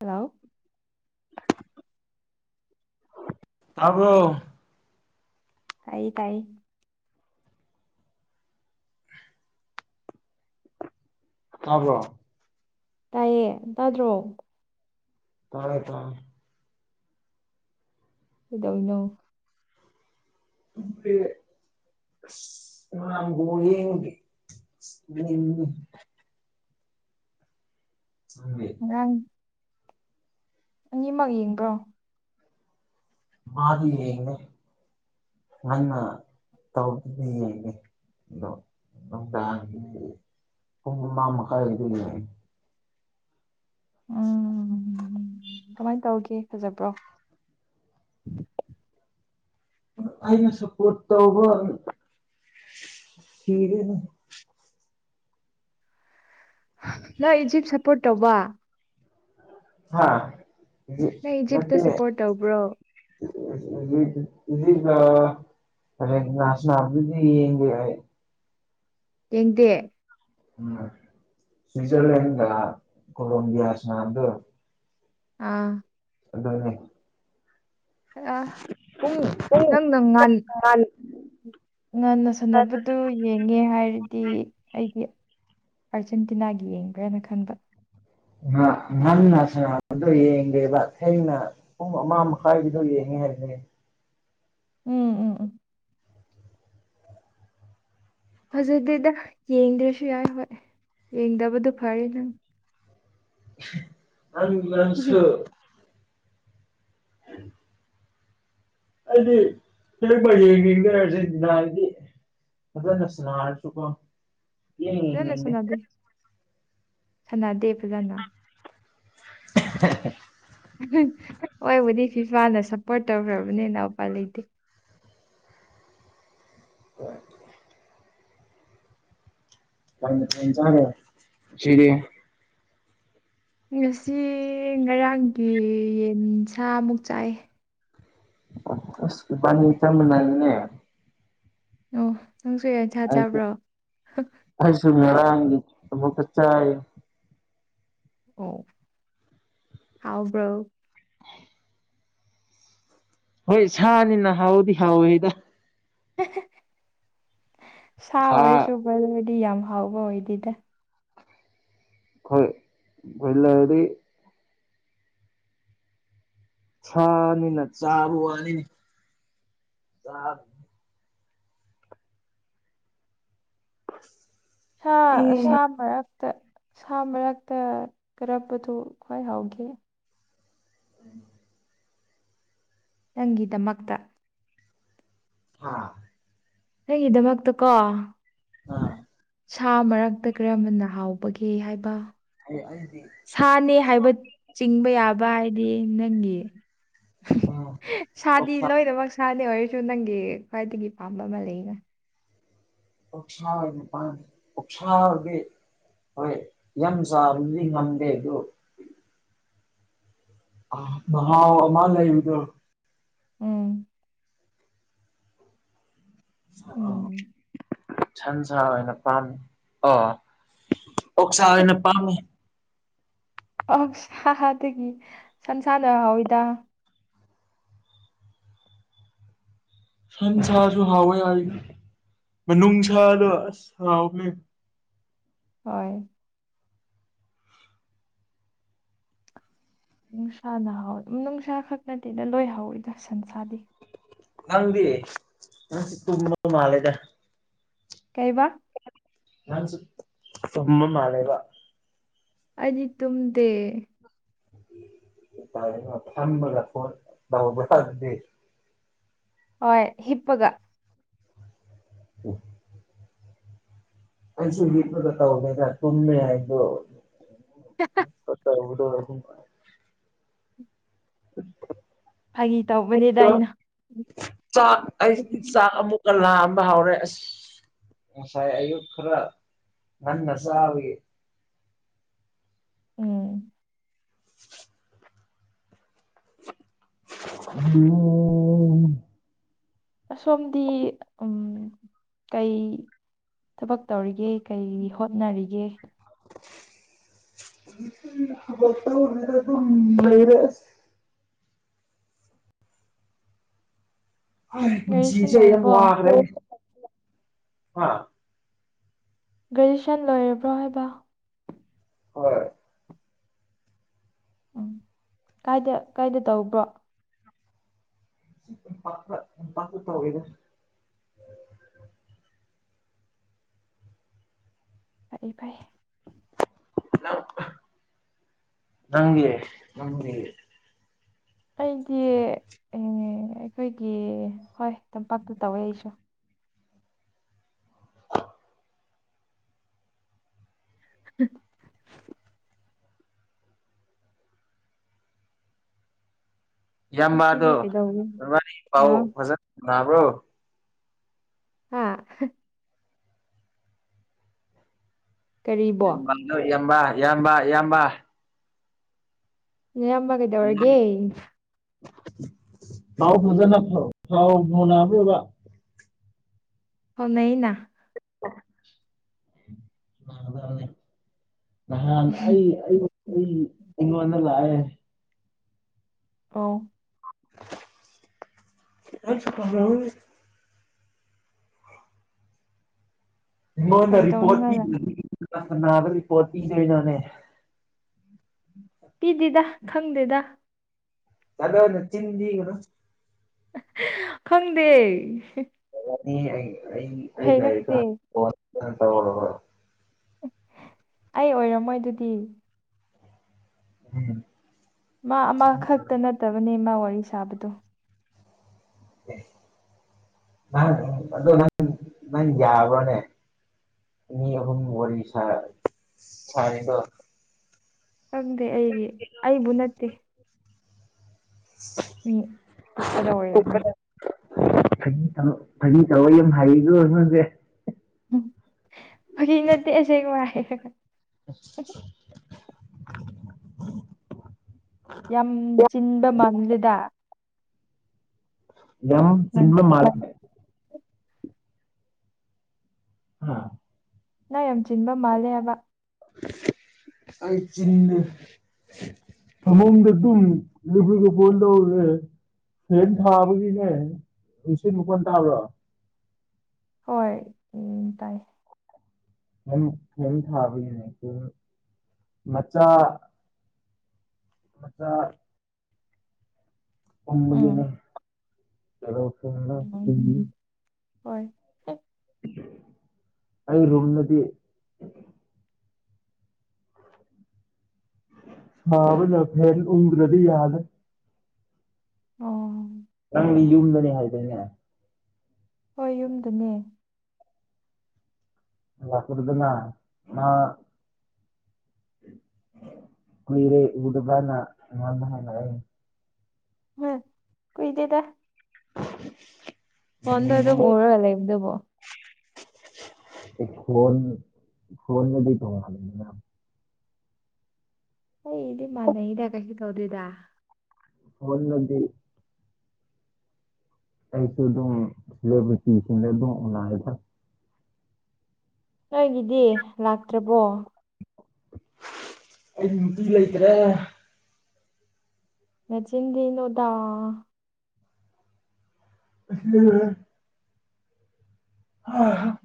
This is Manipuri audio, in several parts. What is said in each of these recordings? ꯍꯜꯂꯣ ꯇꯕ꯭ꯔꯣ ꯇꯥꯏꯌꯦ ꯇꯥꯏꯌꯦ ꯇꯥꯕ꯭ꯔꯣ ꯇꯥꯏꯌꯦ ꯇꯥꯗ꯭ꯔꯣ ꯇꯥꯔꯦ ꯇꯥꯔꯦ ꯀꯩꯗꯧꯔꯤꯅꯣ [unintelligible] [unintelligible] ꯅꯪꯗꯤ ꯔꯥꯡ ꯑꯅꯤꯃꯛ ꯌꯦꯡꯕ꯭ꯔꯣ ꯃꯥꯗꯤ ꯌꯦꯡꯅꯦ ꯉꯟꯅ ꯇꯧꯗꯗꯤ ꯌꯦꯡꯉꯦ ꯗꯣ ꯅꯨꯡꯗꯥꯡꯒꯤꯗꯤ ꯄꯨꯡ ꯃꯉꯥ ꯃꯈꯥꯏ ꯑꯣꯢꯗꯣꯢꯅꯦ ꯎꯝ ꯀꯃꯥꯏꯟ ꯇꯧꯒꯦ ꯐꯖꯕ꯭ꯔꯣ ꯑꯩꯅ ꯁꯄꯣꯔꯠ ꯇꯧꯕ ꯊꯤꯔꯦꯅꯦ ꯅꯪ ꯏꯖꯤꯞ ꯁꯞꯄꯣꯔꯠ ꯇꯧꯕ ꯍꯥ ꯅꯪ ꯏꯖꯤꯞꯇ ꯅꯠꯇꯦꯅꯦ ꯁꯞꯄꯣꯔꯠ ꯇꯧꯕ꯭ꯔꯣ [unintelligible] [unintelligible] ꯌꯦꯡꯗꯦ ꯎꯝ ꯁ꯭ꯋꯤꯖꯔꯂꯦꯟꯒ ꯀꯣꯂꯣꯝꯕꯤꯌꯥ ꯁꯅꯥꯗꯣꯏ ꯑꯣꯏꯔꯝꯅꯤ ꯑꯥ ꯑꯗꯨꯅꯦ ꯑ ꯄꯨꯡ ꯅꯪꯅ ꯉꯥꯟ [unintelligible] ꯉꯟꯅ ꯁꯥꯟꯅꯕꯗꯨ ꯌꯦꯡꯉꯦ ꯍꯥꯏꯔꯗꯤ ꯑꯩꯗꯤ ꯑꯥꯔꯖꯦꯟꯇꯤꯅꯥꯒꯤ ꯌꯦꯡꯕ꯭ꯔꯅ ꯈꯟꯕ ꯉꯥ ꯉꯟꯅꯥ ꯁꯥꯟꯅꯕꯗꯣ ꯌꯦꯡꯗꯦꯕ ꯊꯦꯡꯅ ꯄꯨꯡ ꯑꯃ ꯃꯈꯥꯏꯗꯨ ꯒꯤꯗꯨ ꯌꯦꯡꯉꯦ [unintelligible] ꯎꯝ ꯎꯝ ꯎꯝ ꯐꯖꯗꯦꯗ ꯌꯦꯡꯗ꯭ꯔꯁꯨ ꯌꯥꯏ ꯍꯣꯏ ꯌꯦꯡꯗꯕꯗꯨ ꯐꯔꯦ ꯅꯪ [unintelligible] [unintelligible] [unintelligible] ꯐꯖꯅ ꯁꯥꯅꯔꯁꯨꯀꯣ ꯐꯖꯅ ꯁꯥꯟꯅꯗꯦ ꯁꯥꯅꯗꯦ ꯐꯖꯅ [unintelligible] ꯍꯣꯏꯕꯨꯗꯤ ꯐꯤꯐꯥꯅ ꯁꯞꯄꯣꯔꯠ ꯇꯧꯈ꯭ꯔꯕꯅꯤꯅ ꯎꯄꯥꯢ ꯂꯩꯇꯦ ꯍꯣꯏ ꯀꯩ ꯃꯊꯦꯟ ꯆꯥꯅꯤ ꯁꯤꯗꯤ ꯉꯁꯤ ꯉꯔꯥꯡꯒꯤ ꯌꯦꯟꯁꯃꯨꯛ ꯆꯥꯏ [unintelligible] ꯑꯣ ꯅꯪꯁꯨ ꯌꯦꯁꯥ ꯑꯩꯁꯨ ꯆꯥꯕ꯭ꯔꯣ ꯑꯩꯁꯨ ꯉꯔꯥꯡꯒꯤ ꯑꯃꯨꯛꯀꯥ ꯆꯥꯢꯌꯦ ꯑꯣ ꯍꯥꯎꯕ꯭ꯔꯣ ꯍꯣꯏ ꯁꯥꯅꯤꯅ ꯍꯥꯎꯗꯤ ꯍꯥꯎꯋꯦꯗ ꯍꯦ ꯍꯦ ꯁꯥ ꯑꯣꯏꯔꯁꯨ ꯕꯣꯢꯂꯔꯗꯤ ꯌꯥꯝ ꯍꯥꯎꯕ ꯑꯣꯏꯗꯦꯗ ꯍꯣꯢ ꯕꯣꯢꯂꯔꯗꯤ ꯁꯥꯅꯤꯅ ꯆꯥꯕ ꯋꯥꯅꯤ ꯆꯥꯛ [inaudible] ꯁꯥ ꯁꯥ ꯃꯔꯛ ꯇ ꯁꯥ ꯃꯔꯛꯇ ꯀꯔꯝꯕꯗꯨ ꯈ꯭ꯋꯥꯏ ꯍꯥꯎꯒꯦ [unintelligible] ꯅꯪꯒꯤ ꯗꯃꯛꯇ ꯍꯥꯥ ꯑꯩꯒꯤ ꯗꯃꯛꯇ ꯀꯣ ꯑꯥ ꯁꯥ ꯃꯔꯛꯇ ꯀꯔꯝꯕꯅ ꯍꯥꯎꯕꯒꯦ ꯍꯥꯏꯕ ꯑꯩ ꯑꯩꯗꯤ ꯁꯥꯅꯦ ꯍꯥꯏꯕ ꯆꯤꯡꯕ ꯌꯥꯕ ꯍꯥꯏꯗꯤ ꯅꯪꯒꯤ ꯎꯝ ꯁꯥꯗꯤ ꯑꯣꯛꯁꯥ ꯂꯣꯏꯅꯃꯛ ꯁꯥꯗꯤ ꯑꯣꯏꯔꯁꯨ ꯅꯪꯒꯤ ꯈ꯭ꯋꯥꯏꯗꯒꯤ ꯄꯥꯝꯕ ꯑꯃ ꯂꯩꯌꯦꯅ ꯑꯣꯛꯁꯥ ꯑꯣꯢꯅ ꯄꯥꯝꯃꯤ ꯑꯣꯛꯁꯥ ꯑꯣꯢꯕꯤ ꯍꯣꯏ ꯌꯥꯝ ꯆꯥꯕꯗꯤ ꯉꯝꯗꯦ ꯑꯗꯨ ꯑꯥ ꯃꯍꯥꯎ ꯑꯃ ꯂꯩꯕꯗꯨ ꯑꯣ ꯁꯥꯔꯣ ꯎꯝ ꯁꯟ ꯁꯥ ꯑꯣꯏꯅ ꯄꯥꯝꯃꯤ ꯑꯣ ꯑꯣꯛꯁꯥ ꯑꯣꯏꯅ ꯄꯥꯝꯃꯤ ꯑꯣꯛ ꯁꯥꯗꯒꯤ ꯁꯟꯁꯥꯅ ꯍꯥꯎꯋꯤꯗ ꯁꯟ ꯁꯥꯁꯨ ꯍꯥꯎꯋꯦ ꯑꯩ ꯃꯅꯨꯡ ꯁꯥꯗꯣ ꯑꯁ ꯍꯥꯎꯕꯅꯦ ꯍꯣꯏ ꯅꯨꯡꯁꯥꯅꯍꯥꯎ ꯃꯅꯨꯡꯁꯥ ꯈꯛ ꯅꯠꯇꯦꯗ ꯂꯣꯏ ꯍꯥꯎꯋꯤꯗ ꯁꯟꯁꯥꯗꯤ ꯅꯪꯗꯤ ꯅꯪ ꯇꯨꯝꯃꯕ ꯃꯥꯜꯂꯦꯗ ꯀꯩꯕ ꯅꯪꯁꯨ ꯇꯨꯝꯕ ꯃꯥꯜꯂꯦꯕ ꯑꯩꯗꯤ ꯇꯨꯝꯗꯦ [unintelligible] ꯍꯣꯏ ꯍꯤꯞꯄꯒ [inaudible] ꯑꯩꯁꯨ ꯍꯤꯞꯄꯒ ꯇꯧꯕꯅꯦꯗ ꯇꯨꯝꯃꯦ ꯑꯩꯖꯨ [unintelligible] ꯐꯠꯇꯕꯗꯣ ꯐꯥꯒꯤ ꯇꯧꯕꯅꯤꯗ ꯑꯩꯒꯤꯗꯣ ꯑꯩꯅ ꯆꯛ ꯑꯩ ꯆꯥꯛ ꯑꯃꯨꯛ ꯀꯥ ꯂꯥꯝꯕ ꯍꯧꯔꯦ ꯑꯁ ꯉꯁꯥꯏ ꯑꯌꯨꯛ ꯈꯔ ꯉꯟꯅ ꯆꯥꯕꯒꯤ ꯎꯝ [unintelligible] ꯎꯝ ꯑꯁꯣꯝꯗꯤ ꯎꯝ ꯀꯩ ꯊꯕꯛ ꯇꯧꯔꯤꯒꯦ ꯀꯔꯤ ꯍꯣꯠꯅꯔꯤꯒꯦ ꯊꯕꯛ ꯊꯧꯗ꯭ꯔꯦꯗ ꯑꯗꯨꯝ ꯂꯩꯔꯦ ꯑꯁ ꯍꯣꯏ ꯒ꯭ꯔꯦꯖꯨꯑꯦꯁꯟ ꯄꯨꯟꯁꯤꯁꯦ ꯌꯥꯝ ꯂꯣꯏꯔꯕꯣ ꯋꯥꯈ꯭ꯔꯦ ꯍꯥ ꯒ꯭ꯔꯦꯖꯨ꯭ꯌꯦꯁꯟ ꯂꯣꯢꯔꯕ꯭ꯔꯣ ꯍꯥꯏꯕ ꯍꯣꯏ ꯎꯝ ꯀꯥꯏꯗ ꯀꯥꯏꯗ ꯇꯧꯕ꯭ꯔꯣ ꯄꯥꯛ ꯄꯠ ꯄꯥꯛꯇ ꯇꯧꯋꯦꯗ ꯄꯥꯛꯑꯦ ꯄꯥꯛꯑꯦ ꯅꯪ ꯅꯪꯗꯤ ꯅꯪꯗꯤ ꯑꯩꯗꯤ ꯑꯈꯣꯏꯒꯤ ꯍꯣꯏ ꯇꯝꯄꯥꯛꯇ ꯇꯧꯋꯦ ꯑꯩꯁꯨ [unintelligible] ꯌꯥꯝ ꯉꯁꯤꯗꯤ ꯃꯥꯗꯣ ꯀꯩꯗꯧꯅꯤ ꯋꯥꯔꯤ ꯄꯥꯎ ꯑꯥ ꯐꯖꯅ ꯅꯥꯕ꯭ꯔꯣ ꯍꯥ ꯀꯔꯤꯕꯣ ꯅꯣꯏ ꯏꯌꯥꯝꯕ ꯏꯌꯥꯝꯕ ꯏꯌꯥꯝꯕ ꯅꯌꯥꯝꯕ ꯀꯩꯗꯧꯔꯒꯦ ꯄꯥꯎ ꯐꯖꯅ ꯐꯥ ꯐꯥꯎ ꯐꯥꯎꯅꯕ꯭ꯔꯕ ꯐꯥꯎꯅꯩꯅ [inaudible] ꯅꯍꯥꯟ ꯑꯩ ꯑꯩ ꯎꯝ ꯑꯩꯉꯣꯟꯗꯂꯥꯛꯑꯦ ꯑꯣ [unintelligible] ꯑꯩꯉꯣꯟꯗ ꯀꯔꯤ ꯇꯧꯅꯤ ꯔꯤꯄꯣꯔꯠ ꯃꯥꯅ ꯄꯤꯗꯔꯗꯤ ꯀꯅꯥ ꯀꯅꯥꯗ ꯔꯤꯄꯣꯔꯠ ꯄꯤꯗꯣꯏꯅꯣꯅꯦ ꯄꯤꯗꯦꯗ ꯈꯪꯗꯦꯗ ꯀꯗꯔꯗꯣ ꯆꯤꯟ ꯊꯤꯒꯅꯣ ꯈꯪꯗꯦ ꯑꯩ ꯑꯩ ꯑꯩ ꯂꯩꯔꯤ ꯍꯩꯔꯛꯇꯦ ꯀꯥꯟ [unintelligible] ꯑꯩ ꯑꯣꯏꯔꯝꯃꯣꯏ ꯑꯗꯨꯗꯤ [unintelligible] ꯃꯥ ꯑꯃꯈꯛꯇ ꯅꯠꯇꯕꯅꯦ ꯃꯥ ꯋꯥꯔꯤ ꯁꯥꯕꯗꯣ [unintelligible] ꯑꯗꯣ ꯅꯪ ꯌꯥꯕꯔꯣꯅꯦ ꯃꯤ ꯑꯍꯨꯝ ꯋꯥꯔꯤ ꯁꯥ ꯁꯥꯅꯅꯤꯡꯕꯔꯣ ꯈꯪꯗꯦ ꯑꯩꯗꯤ ꯑꯩꯕꯨ ꯅꯠꯇꯦ ꯃꯤ ꯇꯣꯛꯄꯗ ꯑꯣꯏꯔꯝꯅꯤ ꯐꯒꯤ ꯇꯧ ꯐꯥꯒꯤ ꯇꯧꯕꯒ ꯌꯥꯝ ꯍꯩꯀꯣ ꯑꯉꯥꯡꯁꯦ ꯐꯒꯤ ꯅꯠꯇꯦ ꯑꯁꯦꯡꯕ ꯍꯥꯏꯔꯒ [unintelligible] ꯌꯥꯝ ꯆꯤꯟꯕ ꯃꯥꯟꯂꯦꯗ ꯌꯥꯝ ꯆꯤꯟꯕ ꯅꯪꯁꯦ ꯃꯥꯜ ꯍꯥ ꯅꯪ ꯌꯥꯝ ꯆꯤꯟꯕ ꯃꯥꯜꯂꯦ ꯍꯥꯏꯕ ꯑꯩ ꯆꯤꯟꯗꯦ [inaudible] ꯐꯦꯟ ꯊꯥꯕꯒꯤꯅꯦ ꯅꯨꯡꯁꯤꯠ ꯃꯈꯣꯟ ꯇꯥꯕ꯭ꯔꯣ ꯍꯣꯏ ꯎꯝ ꯇꯥꯏꯌꯦ ꯑꯩ ꯐꯦꯟ ꯊꯥꯕꯒꯤꯅꯦ ꯃꯆꯥ ꯃꯆꯥ ꯇꯟꯕꯒꯤꯅꯦ ꯎꯝ ꯑꯗꯣ ꯄꯨꯡ ꯎꯝ ꯍꯣꯏ ꯑꯩ ꯔꯨꯝꯗꯗꯤ ꯁꯥꯕꯅ ꯐꯦꯟ ꯎꯡꯗꯔꯥꯗꯤ ꯌꯥꯗꯔꯦ ꯑꯣ ꯅꯪꯗꯤ ꯌꯨꯝꯗꯅꯤ ꯍꯥꯏꯗꯥꯏꯅꯦ ꯍꯣꯏ ꯌꯨꯝꯗꯅꯦ [unintelligible] ꯀꯨꯏꯔꯦ ꯎꯗꯕꯅ ꯑꯩꯉꯣꯟꯗ ꯍꯥꯏꯔꯛꯑꯦ ꯀꯨꯏꯗꯦꯗ [inaudible] ꯐꯣꯟꯗ ꯑꯗꯨꯝ ꯍꯥꯏꯔꯛꯑꯦ ꯎꯔꯒ ꯂꯩꯕꯗꯨꯕꯣ ꯏꯈꯣꯟ ꯏꯈꯣꯟꯗꯗꯤ ꯇꯣꯉꯥꯟꯂꯤꯗꯅ ꯑꯩꯒꯤꯗꯤ ꯃꯥꯅꯩꯗ ꯀꯩꯁꯨ ꯇꯧꯗꯦꯗ ꯐꯣꯟꯗꯗꯤ ꯑꯩꯁꯨ ꯑꯗꯨꯝ ꯂꯣꯏꯕ ꯆꯤꯡꯁꯤꯟꯅꯗꯧ ꯃꯥꯟꯂꯤꯗ ꯅꯪꯒꯤꯗꯤ ꯂꯥꯛꯇ꯭ꯔꯥꯕꯣ ꯑꯩꯗꯤ ꯅꯨꯄꯤ ꯂꯩꯇ꯭ꯔꯦ ꯅꯆꯤꯟ ꯗꯤꯅꯨꯗꯥ ꯑꯁꯦꯡꯕꯅꯦ ꯍꯥ ꯍꯝ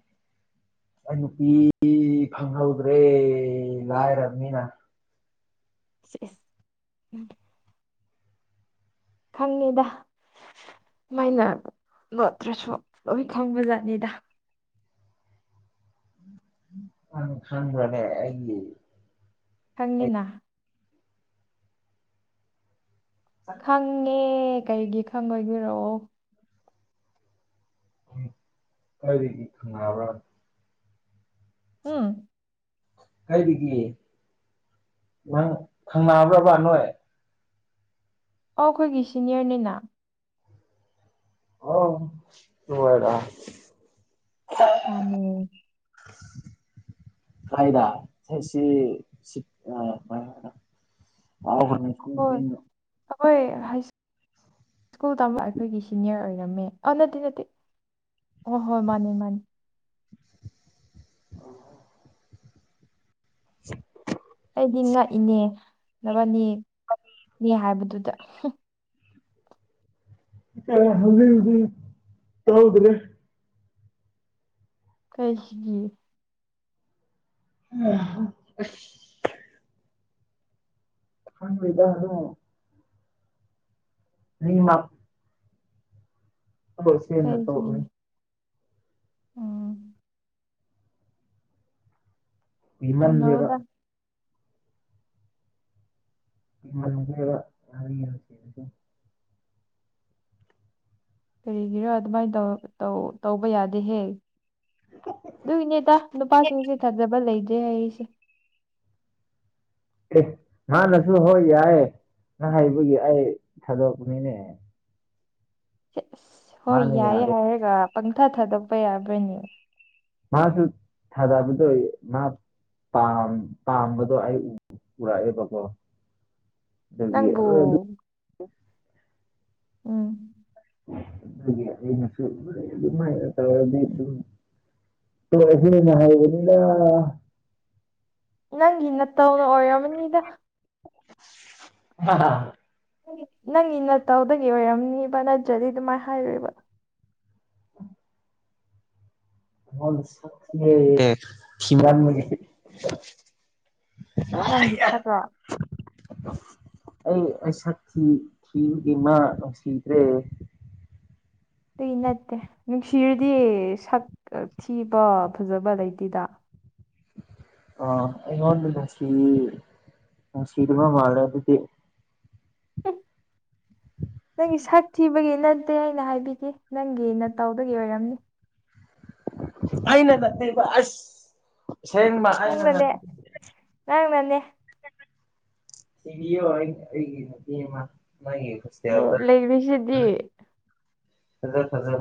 ꯑꯩ ꯅꯨꯄꯤ ꯐꯪꯍꯧꯗ꯭ꯔꯦ ꯂꯥꯏꯔꯕꯅꯤꯅ ꯁꯤ ꯏꯁ ꯈꯪꯉꯤꯗ ꯃꯥꯏꯅ ꯂꯣꯠꯇ꯭ꯔꯥꯁꯨ ꯂꯣꯏ ꯈꯪꯕꯖꯥꯠꯅꯤꯗ ꯈꯪ ꯈꯪꯕ꯭ꯔꯥꯅꯦ ꯑꯩꯒꯤ ꯑꯩ ꯈꯪꯉꯤꯅ ꯈꯪꯉꯦ ꯀꯩꯒꯤ ꯈꯪꯉꯣꯏꯒꯦꯔꯣ ꯎꯝ ꯀꯔꯤꯒꯤ ꯈꯪꯅꯕ꯭ꯔꯥ ꯎꯝ ꯀꯔꯤꯒꯤ ꯅꯪ ꯈꯪꯅꯕ꯭꯭ꯔꯥꯕ ꯅꯣꯏ ꯑꯧ ꯈꯣꯏꯒꯤ ꯁꯤꯅꯤꯌꯔꯅꯤꯅ ꯑꯧ ꯇꯨ ꯑꯣꯏꯔꯥ [unintelligible] ꯃꯥꯅꯦ ꯀꯥꯏꯗ [unintelligible] ꯁꯤꯐ ꯑꯥ [unintelligible] ꯃꯥ ꯎꯕ ꯃꯤꯀꯨꯞ ꯍꯣꯏ ꯑꯈꯣꯏ ꯍꯥꯏꯁ ꯁ꯭ꯀꯨꯜ ꯇꯝꯕ ꯑꯩꯈꯣꯏꯒꯤ ꯁꯤꯅꯤꯌꯔ ꯑꯣꯏꯔꯝꯃꯦ ꯑꯣ ꯅꯠꯇꯦ ꯅꯠꯇꯦ ꯑꯣ ꯍꯣꯏ ꯃꯥꯅꯦ ꯃꯥꯅꯦ [unintelligible] ꯑꯩꯗꯤ ꯉꯛꯏꯅꯦ ꯅꯕꯥꯅꯤ ꯅꯦ ꯍꯥꯏꯕꯗꯨꯗ ꯍꯝ ꯏꯀꯥꯏꯕꯅ [unintelligible] ꯇꯥꯍꯧꯗꯥꯔꯦ ꯀꯩꯈꯤꯒꯤ ꯍꯥ ꯈꯪꯂꯣꯏꯗꯥ ꯑꯗꯣ ꯅꯤꯃꯛ ꯊꯃꯣꯏ ꯁꯦꯡꯅ ꯀꯩꯒꯤ ꯇꯧꯔꯛꯎꯍꯦ ꯎꯝ ꯀꯤꯃꯟꯂꯦꯕꯥ ꯇꯧꯅꯧꯗ ꯀꯤꯃꯟꯈ꯭ꯔꯦꯕ [unintelligible] ꯀꯔꯤꯒꯤꯔꯥ ꯑꯗꯨꯃꯥꯏ ꯇꯧ ꯇꯧ ꯇꯧꯕ ꯌꯥꯗꯦꯍꯦ ꯑꯗꯨꯒꯤꯅꯤꯗ ꯅꯨꯄꯥꯁꯤꯡꯁꯦ ꯊꯥꯖꯕ ꯂꯩꯗꯦ ꯍꯥꯏꯔꯤꯁꯦ ꯑꯦ ꯃꯥꯥꯟꯅꯁꯨ ꯍꯣꯏ ꯌꯥꯏ ꯅ ꯍꯥꯏꯕꯒꯤ ꯑꯩ ꯊꯥꯗꯣꯛꯄꯅꯤꯅꯦ ꯍꯦꯠ ꯑꯁ ꯍꯣꯏ ꯃꯥꯅ ꯌꯥꯏꯌꯦ ꯌꯥꯗꯦ ꯍꯥꯏꯔꯒ ꯄꯪꯊꯥ ꯊꯥꯗꯣꯛꯄ ꯌꯥꯕ꯭ꯔꯥꯅꯦ ꯃꯥꯁꯨ ꯊꯥꯖꯕꯗꯣꯏ ꯃꯥ ꯄꯥꯝ ꯄꯥꯝꯕꯗꯣ ꯑꯩ ꯎ ꯎꯔꯛꯑꯦꯕꯀꯣ ꯑꯗꯨꯒꯤ ꯅꯪꯕꯨ [unintelligible] ꯎꯝ ꯑꯗꯨꯒꯤ ꯑꯩꯅꯁꯨ [unintelligible] ꯑꯗꯨꯃꯥꯏꯅ ꯇꯧꯔꯗꯤ ꯑꯗꯨꯝ ꯇꯣꯛꯔꯥꯁꯦꯅ ꯍꯥꯏꯕꯅꯤꯗ ꯅꯪꯒꯤ ꯅꯠꯇꯧꯅ ꯑꯣꯏꯔꯝꯃꯅꯤꯗ [unintelligible] ꯍꯥ ꯅꯪꯒꯤ ꯅꯪꯒꯤ ꯅꯇꯧꯗꯥꯒꯤ ꯑꯣꯏꯔꯝꯅꯤꯕ ꯅꯠꯇ꯭ꯔꯥꯗꯤ ꯑꯗꯨꯃꯥꯏ ꯍꯥꯏꯔꯣꯏꯕ [unintelligible] ꯊꯤꯃꯟꯕꯒꯤ ꯅꯪꯒꯤ ꯁꯛꯇꯣ [inaudible] ꯑꯩ ꯑꯩ ꯁꯛ ꯊꯤ ꯊꯤꯕꯒꯤ ꯃꯥ ꯅꯨꯡꯁꯤꯗ꯭ꯔꯦ ꯗꯨꯏ ꯅꯠꯇꯦ ꯅꯨꯡꯁꯤꯔꯗꯤ ꯁꯛ ꯊꯤꯕ ꯐꯖꯕ ꯂꯩꯇꯦꯗ ꯑꯥ ꯑꯩꯉꯣꯟꯗ ꯅꯨꯡꯁꯤ ꯅꯨꯡꯁꯤꯗꯕ ꯃꯥꯜꯂꯦ ꯑꯗꯨꯗꯤ ꯎꯝ ꯅꯪꯒꯤ ꯁꯛ ꯊꯤꯕꯒꯤ ꯅꯠꯇꯦ ꯑꯩꯅ ꯍꯥꯏꯕꯤꯒꯦ ꯅꯪꯒꯤ ꯅꯇꯧꯗꯒꯤ ꯑꯣꯏꯔꯝꯅꯤ ꯑꯩꯅ ꯅꯠꯇꯦꯕ ꯑꯁ ꯑꯁꯦꯡꯕ ꯑꯩꯅ ꯅꯠ ꯅꯪꯅꯅꯦ ꯅꯪꯅꯅꯦ [unintelligible] ꯃꯥꯒꯤ [unintelligible] ꯂꯩꯔꯤꯁꯤꯗꯤ ꯁꯥꯅꯔꯣ ꯁꯥꯅꯔꯣ